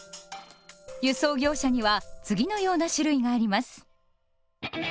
輸送業者には次のような種類があります。